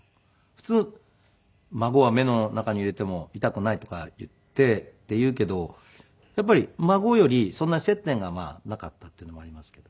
普通孫は目の中に入れても痛くないとかっていうけどやっぱり孫よりそんなに接点がなかったっていうのもありますけど。